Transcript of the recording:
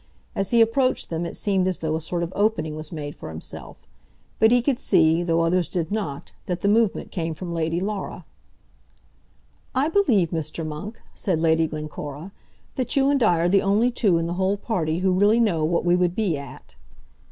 As he approached them it seemed as though a sort of opening was made for himself; but he could see, though others did not, that the movement came from Lady Laura. "I believe, Mr. Monk," said Lady Glencora, "that you and I are the only two in the whole party who really know what we would be at."